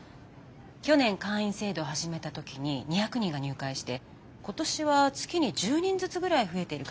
去年会員制度を始めた時に２００人が入会して今年は月に１０人ずつぐらい増えてる感じかな。